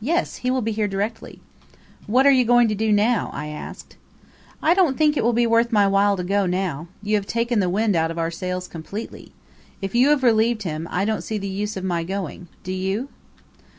"Yes; he will be here directly." "What are you going to do now?" I asked. "I don't think it worth my while to go now. You have taken the wind out of our sails completely. If you have relieved him, I don't see the use of my going. Do you?"